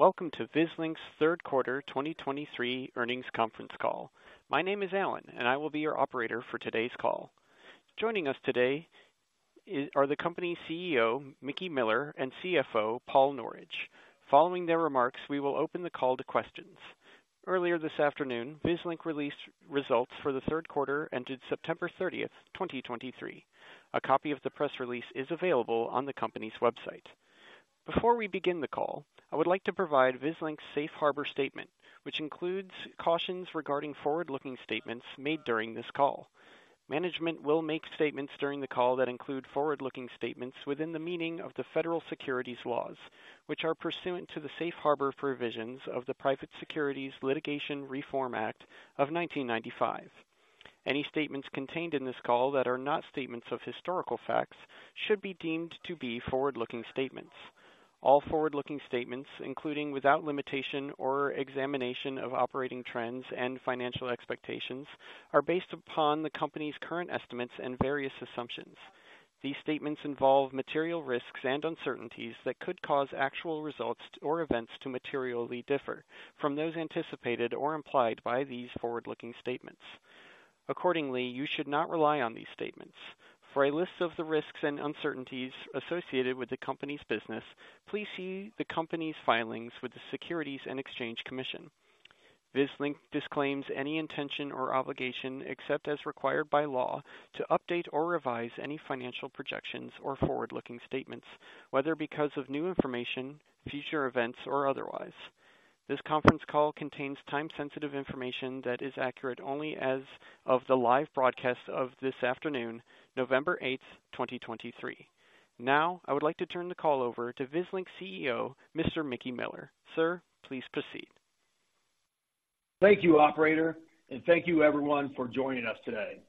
Welcome to Vislink's third quarter 2023 earnings conference call. My name is Alan, and I will be your operator for today's call. Joining us today are the company's CEO, Mickey Miller, and CFO, Paul Norridge. Following their remarks, we will open the call to questions. Earlier this afternoon, Vislink released results for the third quarter, ended September 30, 2023. A copy of the press release is available on the company's website. Before we begin the call, I would like to provide Vislink's safe harbor statement, which includes cautions regarding forward-looking statements made during this call. Management will make statements during the call that include forward-looking statements within the meaning of the federal securities laws, which are pursuant to the safe harbor provisions of the Private Securities Litigation Reform Act of 1995. Any statements contained in this call that are not statements of historical facts should be deemed to be forward-looking statements. All forward-looking statements, including without limitation or examination of operating trends and financial expectations, are based upon the company's current estimates and various assumptions. These statements involve material risks and uncertainties that could cause actual results or events to materially differ from those anticipated or implied by these forward-looking statements. Accordingly, you should not rely on these statements. For a list of the risks and uncertainties associated with the company's business, please see the company's filings with the Securities and Exchange Commission. Vislink disclaims any intention or obligation, except as required by law, to update or revise any financial projections or forward-looking statements, whether because of new information, future events, or otherwise. This conference call contains time-sensitive information that is accurate only as of the live broadcast of this afternoon, November 8, 2023. Now, I would like to turn the call over to Vislink CEO, Mr. Mickey Miller. Sir, please proceed. Thank you, operator, and thank you everyone for joining us today.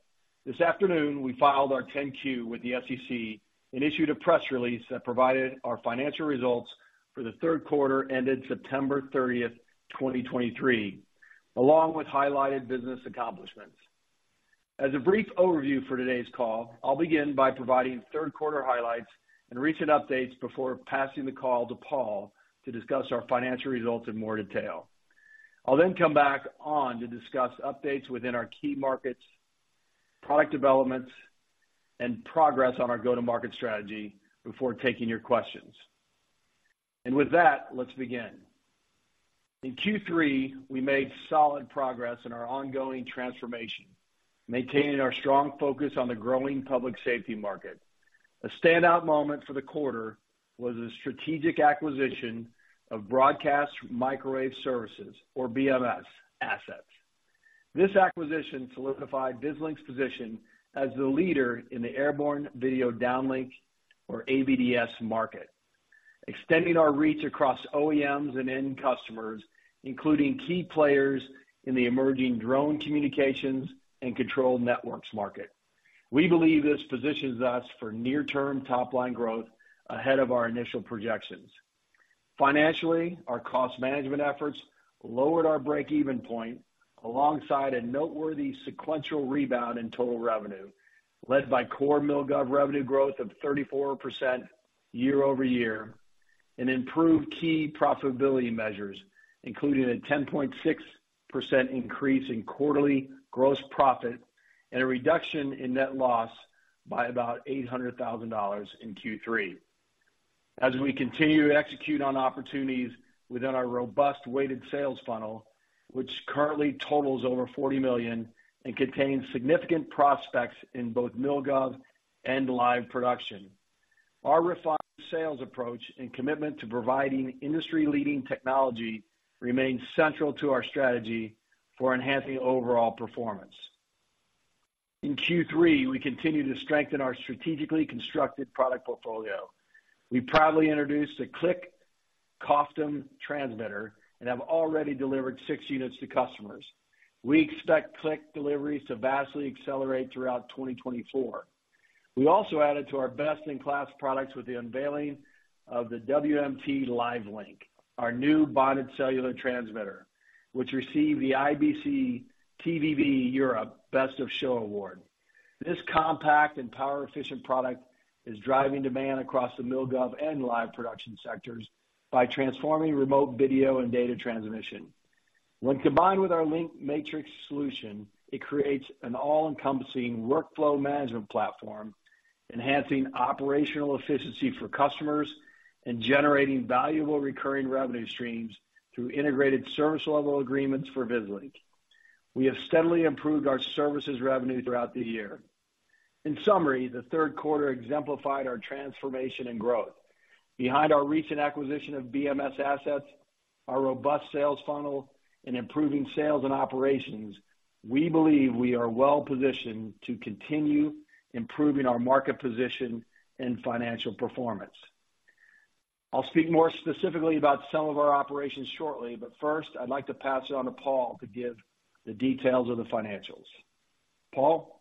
This afternoon, we filed our 10-Q with the SEC and issued a press release that provided our financial results for the third quarter, ended September 30, 2023, along with highlighted business accomplishments. As a brief overview for today's call, I'll begin by providing third quarter highlights and recent updates before passing the call to Paul to discuss our financial results in more detail. I'll then come back on to discuss updates within our key markets, product developments, and progress on our go-to-market strategy before taking your questions. And with that, let's begin. In Q3, we made solid progress in our ongoing transformation, maintaining our strong focus on the growing public safety market. A standout moment for the quarter was a strategic acquisition of Broadcast Microwave Services, or BMS assets. This acquisition solidified Vislink's position as the leader in the airborne video downlink or AVDS market, extending our reach across OEMs and end customers, including key players in the emerging drone communications and control networks market. We believe this positions us for near-term top-line growth ahead of our initial projections. Financially, our cost management efforts lowered our break-even point alongside a noteworthy sequential rebound in total revenue, led by core MilGov revenue growth of 34% year-over-year, and improved key profitability measures, including a 10.6% increase in quarterly gross profit and a reduction in net loss by about $800,000 in Q3. As we continue to execute on opportunities within our robust weighted sales funnel, which currently totals over $40 million and contains significant prospects in both MilGov and live production. Our refined sales approach and commitment to providing industry-leading technology remains central to our strategy for enhancing overall performance. In Q3, we continued to strengthen our strategically constructed product portfolio. We proudly introduced the Cliq COFDM transmitter and have already delivered six units to customers. We expect Cliq deliveries to vastly accelerate throughout 2024. We also added to our best-in-class products with the unveiling of the WMT LiveLink, our new bonded cellular transmitter, which received the IBC TV Tech Europe Best of Show award. This compact and power-efficient product is driving demand across the MilGov and live production sectors by transforming remote video and data transmission. When combined with our LinkMatrix solution, it creates an all-encompassing workflow management platform, enhancing operational efficiency for customers and generating valuable recurring revenue streams through integrated service-level agreements for Vislink. We have steadily improved our services revenue throughout the year. In summary, the third quarter exemplified our transformation and growth. Behind our recent acquisition of BMS assets, our robust sales funnel, and improving sales and operations, we believe we are well-positioned to continue improving our market position and financial performance. I'll speak more specifically about some of our operations shortly, but first, I'd like to pass it on to Paul to give the details of the financials. Paul?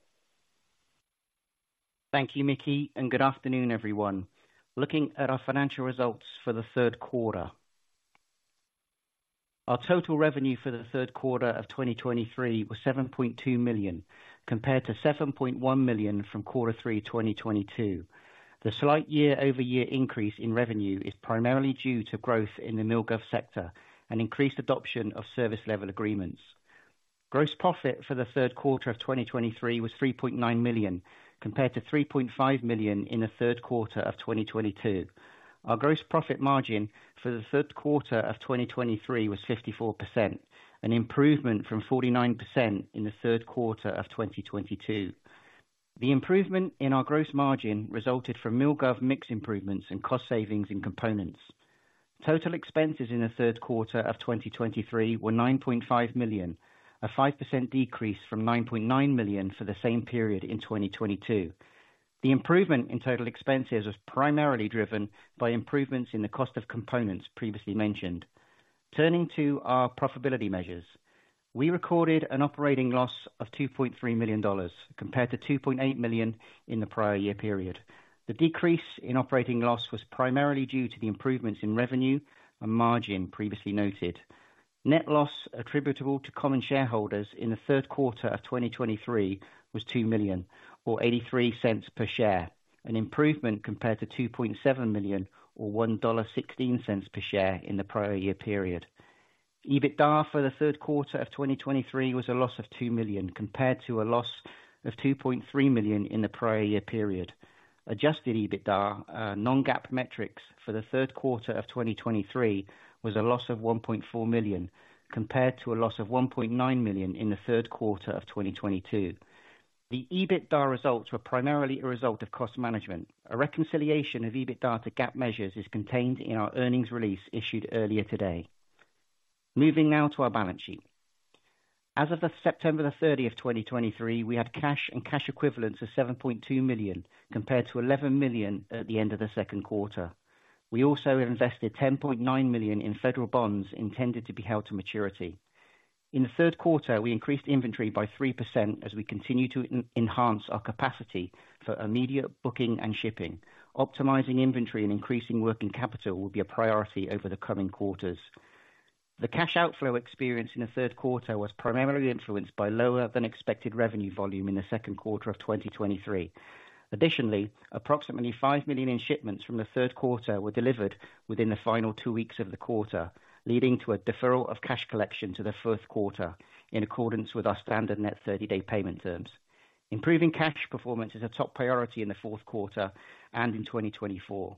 Thank you, Mickey, and good afternoon, everyone. Looking at our financial results for the third quarter. Our total revenue for the third quarter of 2023 was $7.2 million, compared to $7.1 million from quarter 3, 2022. The slight year-over-year increase in revenue is primarily due to growth in the MilGov sector and increased adoption of service level agreements. Gross profit for the third quarter of 2023 was $3.9 million, compared to $3.5 million in the third quarter of 2022. Our gross profit margin for the third quarter of 2023 was 54%, an improvement from 49% in the third quarter of 2022. The improvement in our gross margin resulted from MilGov mix improvements and cost savings in components. Total expenses in the third quarter of 2023 were $9.5 million, a 5% decrease from $9.9 million for the same period in 2022. The improvement in total expenses was primarily driven by improvements in the cost of components previously mentioned. Turning to our profitability measures. We recorded an operating loss of $2.3 million, compared to $2.8 million in the prior year period. The decrease in operating loss was primarily due to the improvements in revenue and margin previously noted. Net loss attributable to common shareholders in the third quarter of 2023 was $2 million, or $0.83 per share, an improvement compared to $2.7 million, or $1.16 per share in the prior year period. EBITDA for the third quarter of 2023 was a loss of $2 million, compared to a loss of $2.3 million in the prior year period. Adjusted EBITDA, non-GAAP metrics for the third quarter of 2023, was a loss of $1.4 million, compared to a loss of $1.9 million in the third quarter of 2022. The EBITDA results were primarily a result of cost management. A reconciliation of EBITDA to GAAP measures is contained in our earnings release issued earlier today. Moving now to our balance sheet. As of September 30, 2023, we had cash and cash equivalents of $7.2 million, compared to $11 million at the end of the second quarter. We also invested $10.9 million in federal bonds intended to be held to maturity. In the third quarter, we increased inventory by 3% as we continue to enhance our capacity for immediate booking and shipping. Optimizing inventory and increasing working capital will be a priority over the coming quarters. The cash outflow experience in the third quarter was primarily influenced by lower than expected revenue volume in the second quarter of 2023. Additionally, approximately $5 million in shipments from the third quarter were delivered within the final two weeks of the quarter, leading to a deferral of cash collection to the fourth quarter, in accordance with our standard net thirty-day payment terms. Improving cash performance is a top priority in the fourth quarter and in 2024.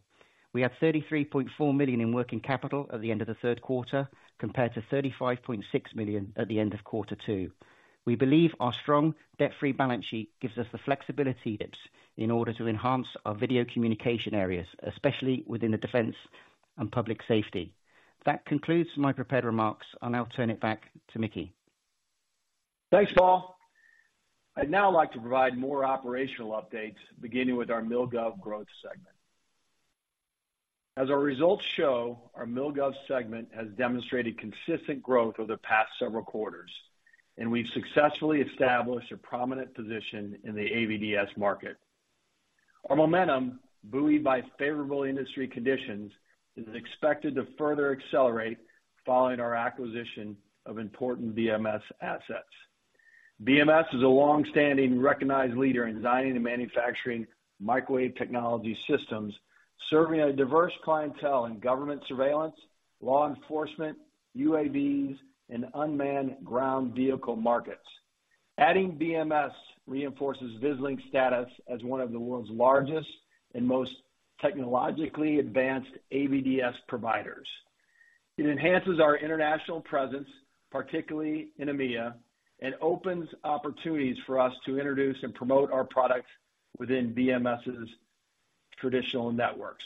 We have $33.4 million in working capital at the end of the third quarter, compared to $35.6 million at the end of quarter two. We believe our strong debt-free balance sheet gives us the flexibility in order to enhance our video communication areas, especially within the defense and public safety. That concludes my prepared remarks. I'll now turn it back to Mickey. Thanks, Paul. I'd now like to provide more operational updates, beginning with our MilGov growth segment. As our results show, our MilGov segment has demonstrated consistent growth over the past several quarters, and we've successfully established a prominent position in the AVDS market. Our momentum, buoyed by favorable industry conditions, is expected to further accelerate following our acquisition of important BMS assets. BMS is a long-standing, recognized leader in designing and manufacturing microwave technology systems, serving a diverse clientele in government surveillance, law enforcement, UAVs, and unmanned ground vehicle markets. Adding BMS reinforces Vislink's status as one of the world's largest and most technologically advanced AVDS providers. It enhances our international presence, particularly in EMEA, and opens opportunities for us to introduce and promote our products within BMS's traditional networks.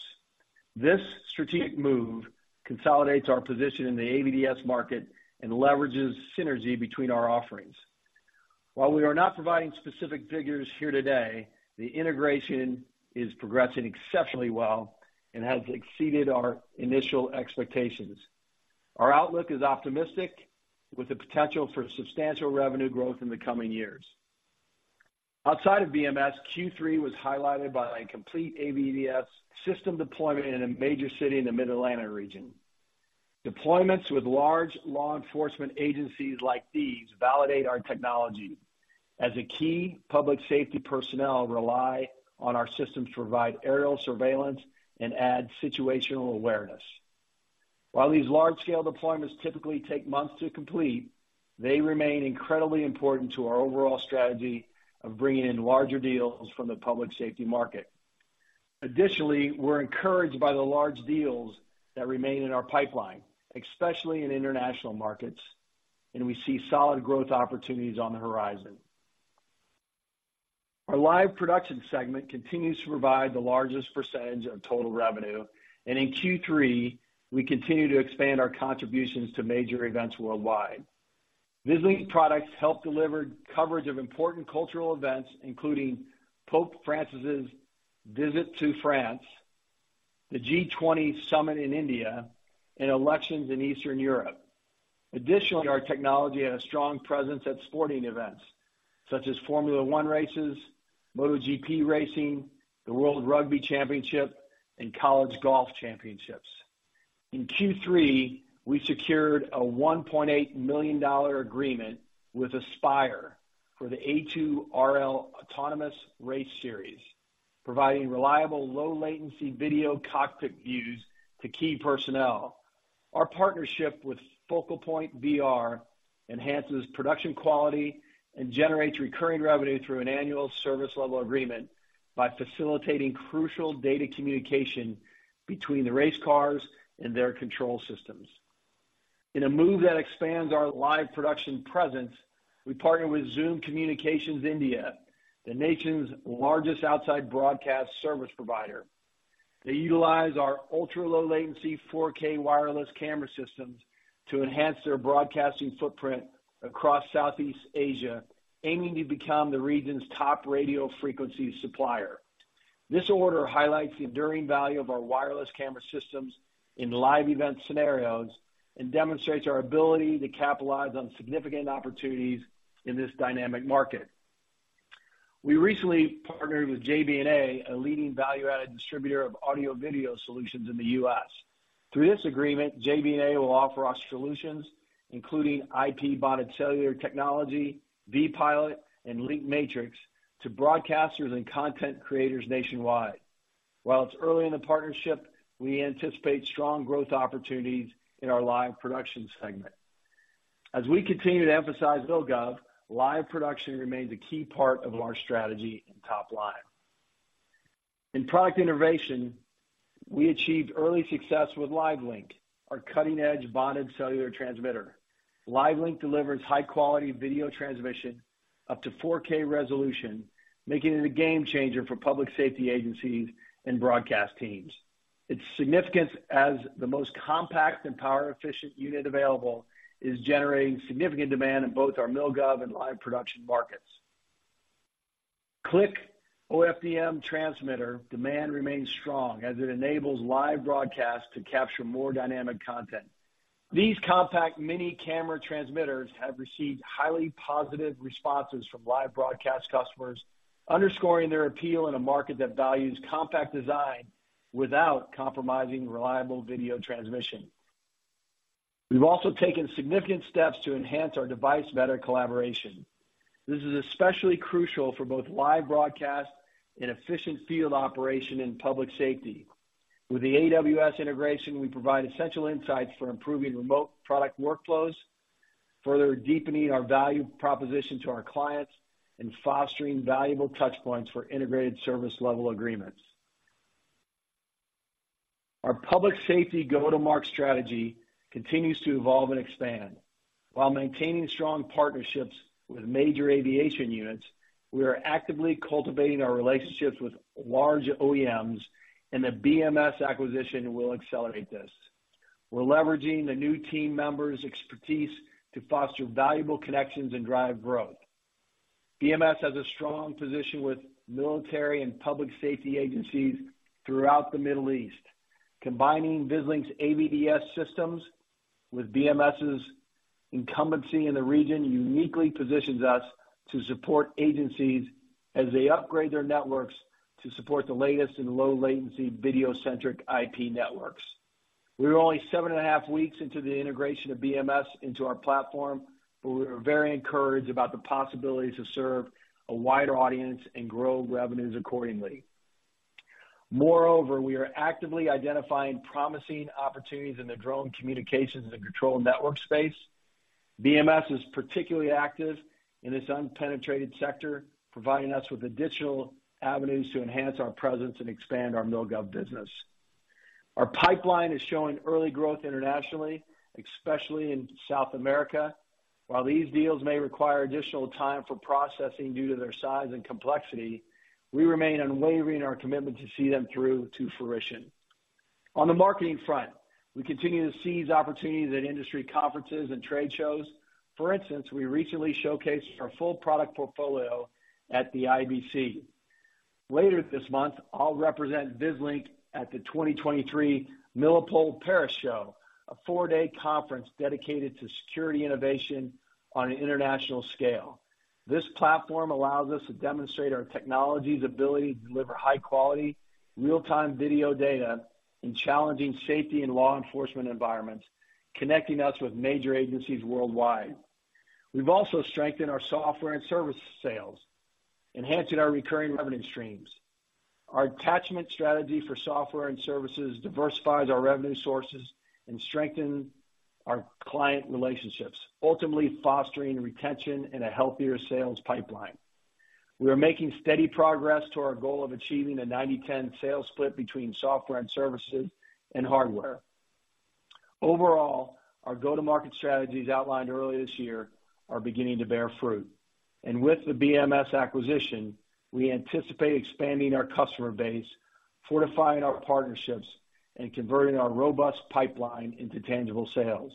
This strategic move consolidates our position in the AVDS market and leverages synergy between our offerings. While we are not providing specific figures here today, the integration is progressing exceptionally well and has exceeded our initial expectations. Our outlook is optimistic, with the potential for substantial revenue growth in the coming years. Outside of BMS, Q3 was highlighted by a complete AVDS system deployment in a major city in the Mid-Atlantic region. Deployments with large law enforcement agencies like these validate our technology, as a key public safety personnel rely on our system to provide aerial surveillance and add situational awareness. While these large-scale deployments typically take months to complete, they remain incredibly important to our overall strategy of bringing in larger deals from the public safety market. Additionally, we're encouraged by the large deals that remain in our pipeline, especially in international markets, and we see solid growth opportunities on the horizon. Our live production segment continues to provide the largest percentage of total revenue, and in Q3, we continue to expand our contributions to major events worldwide. Vislink products helped deliver coverage of important cultural events, including Pope Francis's visit to France, the G20 summit in India, and elections in Eastern Europe. Additionally, our technology had a strong presence at sporting events, such as Formula One races, MotoGP racing, the World Rugby Championship, and college golf championships. In Q3, we secured a $1.8 million agreement with Aspire for the A2RL Autonomous Race Series, providing reliable, low latency video cockpit views to key personnel. Our partnership with Focal Point VR enhances production quality and generates recurring revenue through an annual service level agreement by facilitating crucial data communication between the race cars and their control systems. In a move that expands our live production presence, we partnered with Zoom Communications, the nation's largest outside broadcast service provider. They utilize our ultra-low latency 4K wireless camera systems to enhance their broadcasting footprint across Southeast Asia, aiming to become the region's top radio frequency supplier. This order highlights the enduring value of our wireless camera systems in live event scenarios and demonstrates our ability to capitalize on significant opportunities in this dynamic market. We recently partnered with JB&A, a leading value-added distributor of audio-video solutions in the U.S. Through this agreement, JB&A will offer our solutions, including IP bonded cellular technology, vPilot, and LinkMatrix, to broadcasters and content creators nationwide. While it's early in the partnership, we anticipate strong growth opportunities in our live production segment. As we continue to emphasize MilGov, live production remains a key part of our strategy and top line. In product innovation, we achieved early success with LiveLink, our cutting-edge bonded cellular transmitter. LiveLink delivers high-quality video transmission, up to 4K resolution, making it a game changer for public safety agencies and broadcast teams. Its significance as the most compact and power-efficient unit available is generating significant demand in both our MilGov and live production markets. Cliq OFDM transmitter demand remains strong as it enables live broadcasts to capture more dynamic content. These compact mini camera transmitters have received highly positive responses from live broadcast customers, underscoring their appeal in a market that values compact design without compromising reliable video transmission. We've also taken significant steps to enhance our device vendor collaboration. This is especially crucial for both live broadcast and efficient field operation in public safety. With the AWS integration, we provide essential insights for improving remote product workflows, further deepening our value proposition to our clients and fostering valuable touch points for integrated service level agreements. Our public safety go-to-market strategy continues to evolve and expand. While maintaining strong partnerships with major aviation units, we are actively cultivating our relationships with large OEMs, and the BMS acquisition will accelerate this. We're leveraging the new team members' expertise to foster valuable connections and drive growth. BMS has a strong position with military and public safety agencies throughout the Middle East. Combining Vislink's AVDS systems with BMS's incumbency in the region uniquely positions us to support agencies as they upgrade their networks to support the latest in low latency, video-centric IP networks. We are only 7.5 weeks into the integration of BMS into our platform, but we are very encouraged about the possibility to serve a wider audience and grow revenues accordingly. Moreover, we are actively identifying promising opportunities in the drone communications and control network space. BMS is particularly active in this unpenetrated sector, providing us with additional avenues to enhance our presence and expand our MilGov business. Our pipeline is showing early growth internationally, especially in South America. While these deals may require additional time for processing due to their size and complexity, we remain unwavering in our commitment to see them through to fruition. On the marketing front, we continue to seize opportunities at industry conferences and trade shows. For instance, we recently showcased our full product portfolio at the IBC. Later this month, I'll represent Vislink at the 2023 Milipol Paris Show, a four-day conference dedicated to security innovation on an international scale. This platform allows us to demonstrate our technology's ability to deliver high-quality, real-time video data in challenging safety and law enforcement environments, connecting us with major agencies worldwide. We've also strengthened our software and service sales, enhancing our recurring revenue streams. Our attachment strategy for software and services diversifies our revenue sources and strengthen our client relationships, ultimately fostering retention and a healthier sales pipeline. We are making steady progress to our goal of achieving a 90/10 sales split between software and services and hardware. Overall, our go-to-market strategies outlined earlier this year are beginning to bear fruit. And with the BMS acquisition, we anticipate expanding our customer base, fortifying our partnerships, and converting our robust pipeline into tangible sales.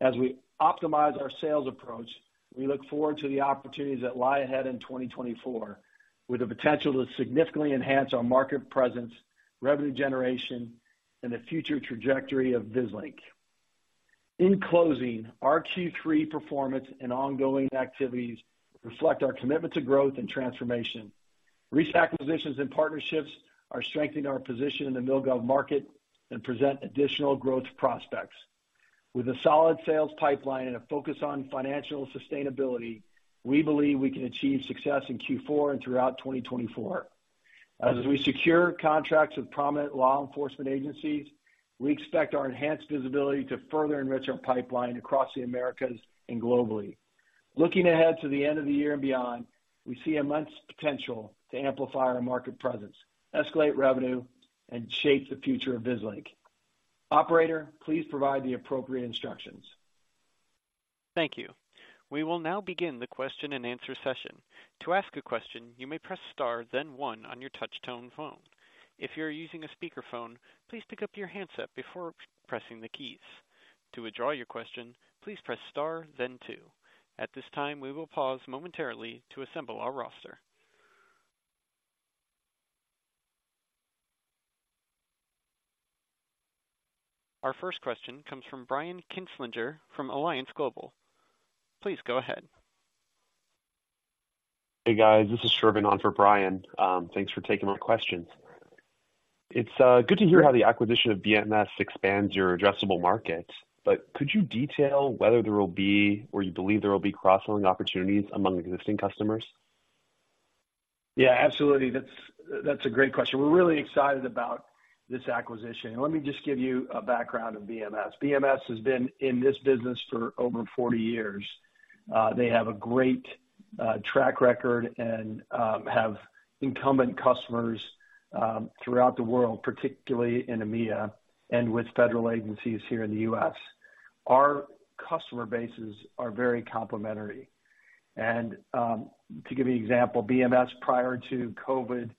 As we optimize our sales approach, we look forward to the opportunities that lie ahead in 2024, with the potential to significantly enhance our market presence, revenue generation, and the future trajectory of Vislink. In closing, our Q3 performance and ongoing activities reflect our commitment to growth and transformation. Recent acquisitions and partnerships are strengthening our position in the MilGov market and present additional growth prospects. With a solid sales pipeline and a focus on financial sustainability, we believe we can achieve success in Q4 and throughout 2024. As we secure contracts with prominent law enforcement agencies, we expect our enhanced visibility to further enrich our pipeline across the Americas and globally. Looking ahead to the end of the year and beyond, we see immense potential to amplify our market presence, escalate revenue, and shape the future of Vislink. Operator, please provide the appropriate instructions. Thank you. We will now begin the question-and-answer session. To ask a question, you may press star, then one on your touchtone phone. If you're using a speakerphone, please pick up your handset before pressing the keys. To withdraw your question, please press star then two. At this time, we will pause momentarily to assemble our roster. Our first question comes from Brian Kinstlinger from Alliance Global. Please go ahead. Hey, guys, this is Shervin on for Brian. Thanks for taking my questions. It's good to hear how the acquisition of BMS expands your addressable market, but could you detail whether there will be, or you believe there will be cross-selling opportunities among existing customers? Yeah, absolutely. That's a great question. We're really excited about this acquisition. Let me just give you a background of BMS. BMS has been in this business for over 40 years. They have a great track record and have incumbent customers throughout the world, particularly in EMEA and with federal agencies here in the U.S. Our customer bases are very complementary, and to give you an example, BMS, prior to COVID,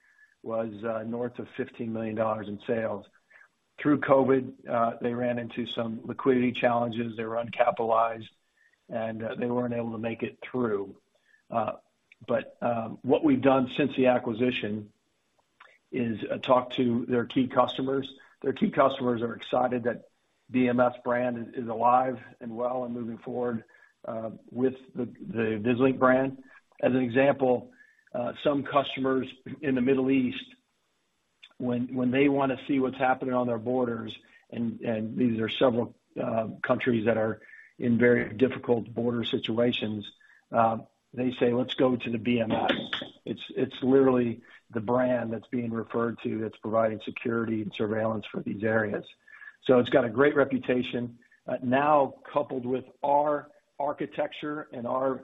was north of $15 million in sales. Through COVID, they ran into some liquidity challenges. They were uncapitalized, and they weren't able to make it through. But what we've done since the acquisition is talk to their key customers. Their key customers are excited that BMS brand is alive and well and moving forward with the Vislink brand. As an example, some customers in the Middle East, when they wanna see what's happening on their borders, and these are several countries that are in very difficult border situations, they say, "Let's go to the BMS." It's literally the brand that's being referred to that's providing security and surveillance for these areas. So it's got a great reputation. Now, coupled with our architecture and our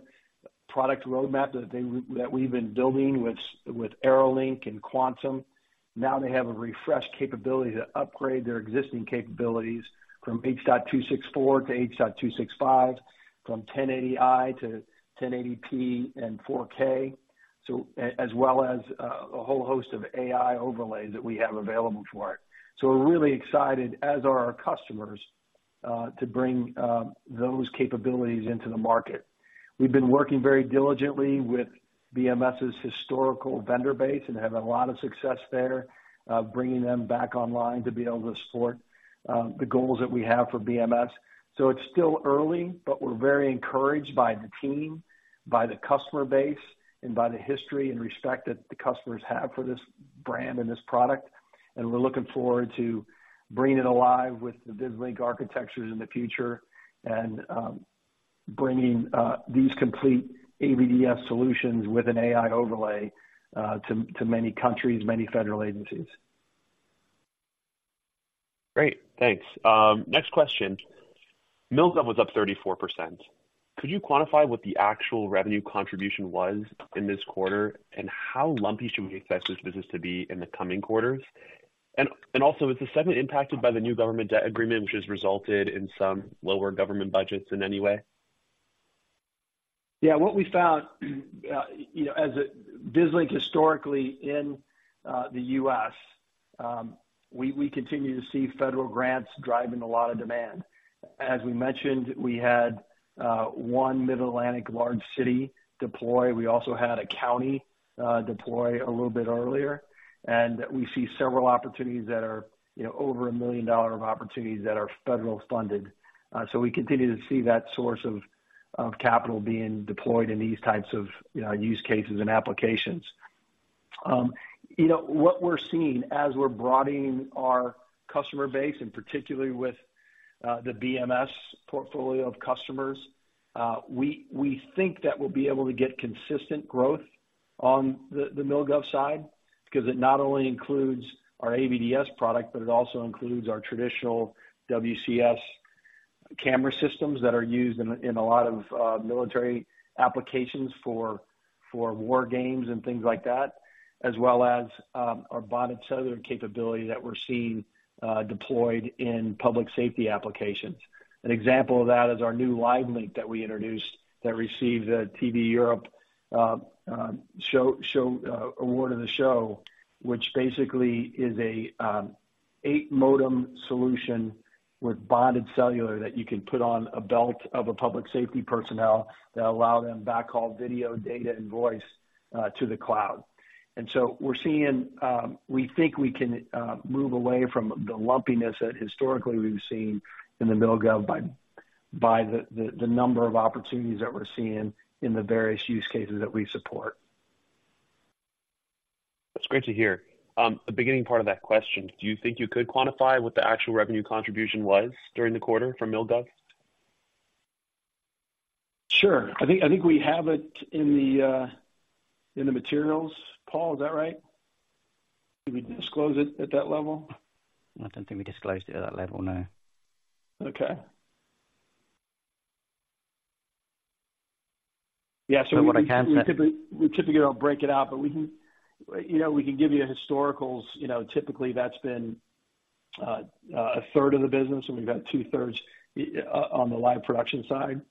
product roadmap that we've been building with AeroLink and Quantum, now they have a refreshed capability to upgrade their existing capabilities from H.264 to H.265, from 1080i to 1080p and 4K, as well as a whole host of AI overlays that we have available for it. So we're really excited, as are our customers, to bring those capabilities into the market. We've been working very diligently with BMS's historical vendor base and have a lot of success there, bringing them back online to be able to support the goals that we have for BMS. So it's still early, but we're very encouraged by the team, by the customer base, and by the history and respect that the customers have for this brand and this product. And we're looking forward to bringing it alive with the Vislink architectures in the future and bringing these complete AVDS solutions with an AI overlay to many countries, many federal agencies. Great. Thanks. Next question. MilGov was up 34%. Could you quantify what the actual revenue contribution was in this quarter, and how lumpy should we expect this business to be in the coming quarters? And, and also, is the segment impacted by the new government debt agreement, which has resulted in some lower government budgets in any way? Yeah, what we found, you know, as Vislink historically in, the U.S., we, we continue to see federal grants driving a lot of demand. As we mentioned, we had, one Mid-Atlantic large city deploy. We also had a county, deploy a little bit earlier, and we see several opportunities that are, you know, over $1 million of opportunities that are federal funded. So we continue to see that source of, of capital being deployed in these types of, you know, use cases and applications. You know, what we're seeing as we're broadening our customer base, and particularly with the BMS portfolio of customers, we think that we'll be able to get consistent growth on the MilGov side because it not only includes our AVDS product, but it also includes our traditional WCS camera systems that are used in a lot of military applications for war games and things like that, as well as our bonded cellular capability that we're seeing deployed in public safety applications. An example of that is our new LiveLink that we introduced that received a TV Tech Europe show award in the show, which basically is a 8-modem solution with bonded cellular that you can put on a belt of a public safety personnel that allow them backhaul video, data, and voice to the cloud. And so we're seeing, we think we can move away from the lumpiness that historically we've seen in the MilGov by the number of opportunities that we're seeing in the various use cases that we support. That's great to hear. The beginning part of that question, do you think you could quantify what the actual revenue contribution was during the quarter from MilGov? Sure. I think, I think we have it in the, in the materials. Paul, is that right? Did we disclose it at that level? I don't think we disclosed it at that level, no. Okay. Yeah, so. But what I can say- We typically don't break it out, but we can, you know, we can give you a historicals. You know, typically, that's been a third of the business, and we've got two thirds on the live production side.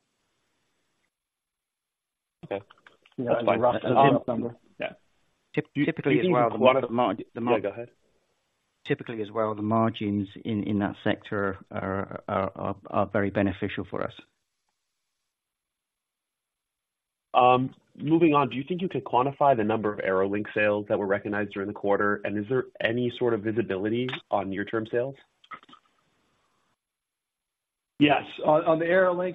Okay. You know, a rough number. Yeah. Typically, as well- Go ahead. Typically, as well, the margins in that sector are very beneficial for us. Moving on, do you think you could quantify the number of AeroLink sales that were recognized during the quarter? And is there any sort of visibility on near-term sales? Yes. On the AeroLink,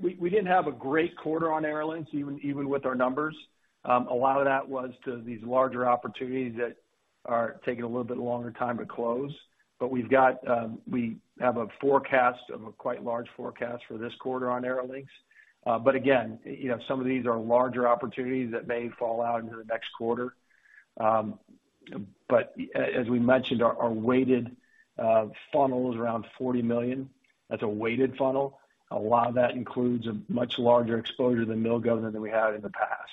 we didn't have a great quarter on AeroLink, even with our numbers. A lot of that was to these larger opportunities that are taking a little bit longer time to close. But we have a forecast of quite a large forecast for this quarter on AeroLink. But again, you know, some of these are larger opportunities that may fall out into the next quarter. But as we mentioned, our weighted funnel is around $40 million. That's a weighted funnel. A lot of that includes a much larger exposure to MilGov than we had in the past.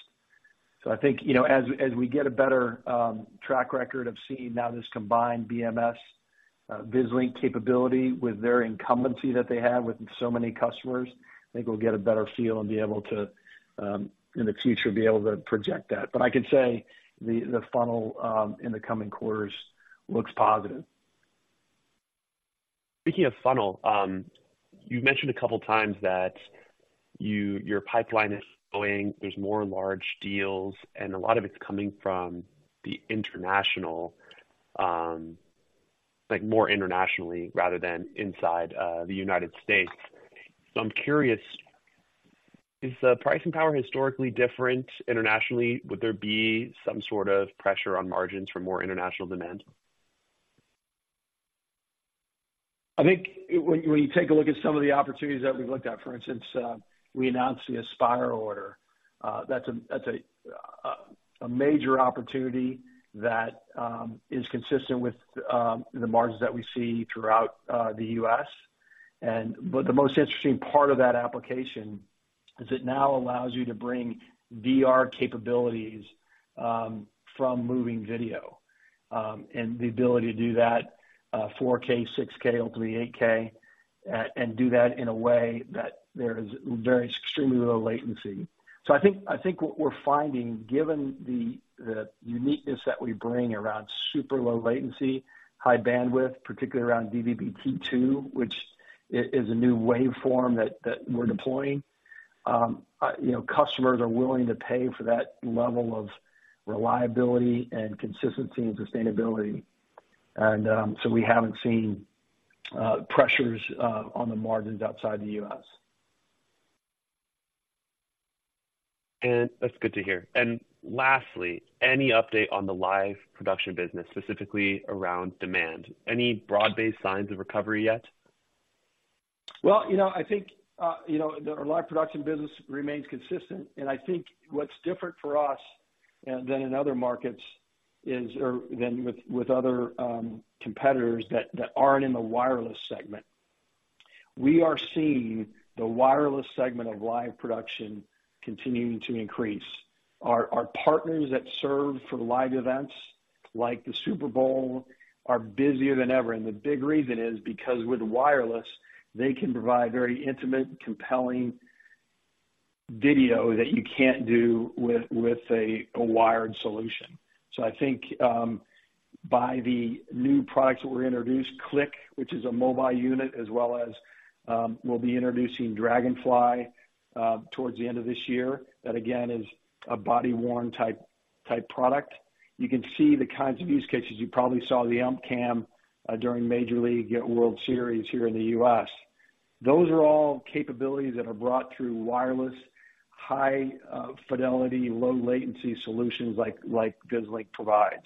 So I think, you know, as we get a better track record of seeing now this combined BMS, Vislink capability with their incumbency that they have with so many customers, I think we'll get a better feel and be able to, in the future, be able to project that. But I can say the funnel, in the coming quarters looks positive. Speaking of funnel, you've mentioned a couple of times that your pipeline is growing, there's more large deals, and a lot of it's coming from the international, like, more internationally rather than inside the United States. So I'm curious, is the pricing power historically different internationally? Would there be some sort of pressure on margins for more international demand? I think when you take a look at some of the opportunities that we've looked at, for instance, we announced the Aspire order, that's a major opportunity that is consistent with the margins that we see throughout the U.S. But the most interesting part of that application is it now allows you to bring VR capabilities from moving video, and the ability to do that 4K, 6K, ultimately 8K, and do that in a way that there is very extremely low latency. So I think what we're finding, given the uniqueness that we bring around super low latency, high bandwidth, particularly around DVB-T2, which is a new waveform that we're deploying, you know, customers are willing to pay for that level of reliability and consistency and sustainability. So we haven't seen pressures on the margins outside the U.S. That's good to hear. Lastly, any update on the live production business, specifically around demand? Any broad-based signs of recovery yet? Well, you know, I think, you know, the live production business remains consistent, and I think what's different for us than with other competitors that aren't in the wireless segment. We are seeing the wireless segment of live production continuing to increase. Our partners that serve for live events like the Super Bowl are busier than ever, and the big reason is because with wireless, they can provide very intimate, compelling video that you can't do with a wired solution. So I think by the new products that we're introduced, Cliq, which is a mobile unit, as well as we'll be introducing DragonFly towards the end of this year. That, again, is a body-worn type product. You can see the kinds of use cases. You probably saw the UmpCam during Major League World Series here in the U.S. Those are all capabilities that are brought through wireless, high fidelity, low latency solutions like, like Vislink provides.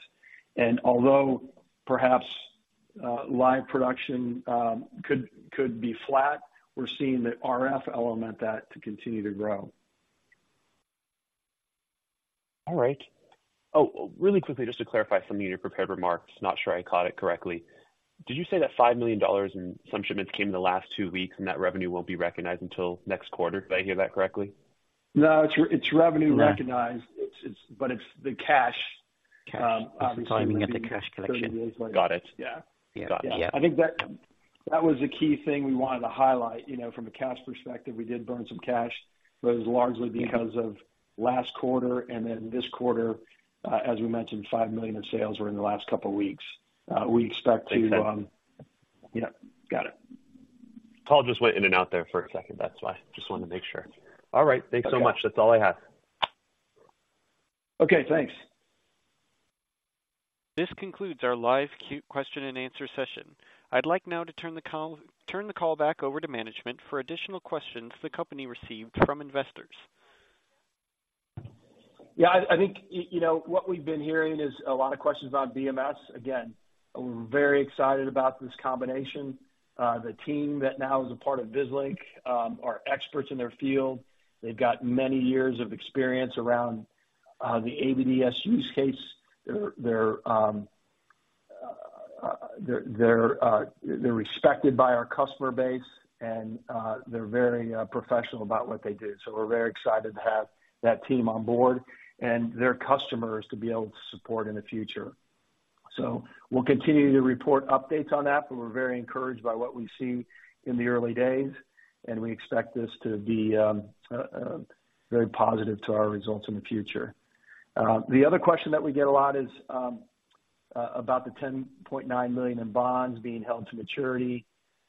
And although perhaps live production could be flat, we're seeing the RF element that to continue to grow. All right. Oh, really quickly, just to clarify something in your prepared remarks, not sure I caught it correctly. Did you say that $5 million in some shipments came in the last two weeks, and that revenue won't be recognized until next quarter? Did I hear that correctly? No, it's, it's revenue- Right - recognized. It's, but it's the cash, Cash. You're timing at the cash collection. 30 days later. Got it. Yeah. Yeah. Got it, yeah. I think that was a key thing we wanted to highlight. You know, from a cash perspective, we did burn some cash, but it was largely because of last quarter, and then this quarter, as we mentioned, $5 million in sales were in the last couple of weeks. We expect to, Make sense. Yeah. Got it. Paul just went in and out there for a second. That's why. Just wanted to make sure. All right. Okay. Thanks so much. That's all I have. Okay, thanks. This concludes our live question and answer session. I'd like now to turn the call back over to management for additional questions the company received from investors. Yeah, I think, you know, what we've been hearing is a lot of questions about BMS. Again, we're very excited about this combination. The team that now is a part of Vislink are experts in their field. They've got many years of experience around the AVDS use case. They're respected by our customer base, and they're very professional about what they do. So we're very excited to have that team on board and their customers to be able to support in the future. So we'll continue to report updates on that, but we're very encouraged by what we've seen in the early days, and we expect this to be very positive to our results in the future. The other question that we get a lot is about the $10.9 million in bonds being held to maturity.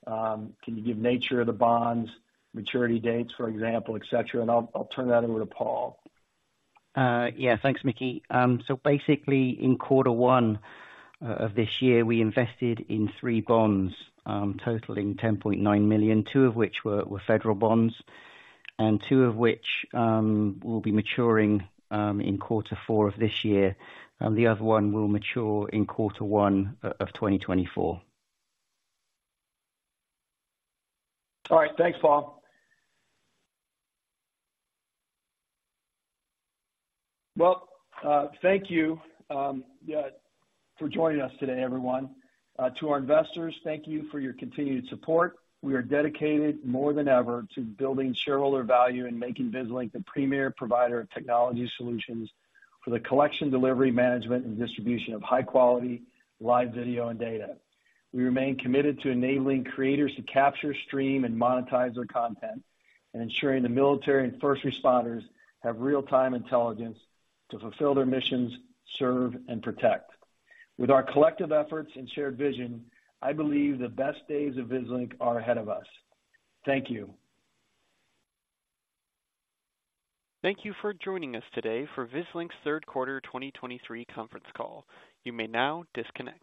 Can you give nature of the bonds, maturity dates, for example, et cetera? And I'll turn that over to Paul. Yeah, thanks, Mickey. So basically, in quarter one of this year, we invested in three bonds totaling $10.9 million, two of which were federal bonds, and two of which will be maturing in quarter four of this year, and the other one will mature in quarter one of 2024. All right. Thanks, Paul. Well, thank you, yeah, for joining us today, everyone. To our investors, thank you for your continued support. We are dedicated more than ever to building shareholder value and making Vislink the premier provider of technology solutions for the collection, delivery, management, and distribution of high-quality live video and data. We remain committed to enabling creators to capture, stream, and monetize their content, and ensuring the military and first responders have real-time intelligence to fulfill their missions, serve, and protect. With our collective efforts and shared vision, I believe the best days of Vislink are ahead of us. Thank you. Thank you for joining us today for Vislink's third quarter 2023 conference call. You may now disconnect.